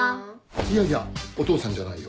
いやいやお父さんじゃないよ。